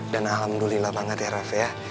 dan alhamdulillah banget ya reveh